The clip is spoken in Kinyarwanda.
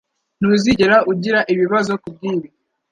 Ntuzigera ugira ibibazo kubwibi?